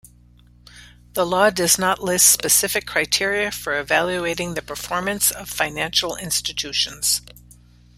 The law does not list specific criteria for evaluating the performance of financial institutions.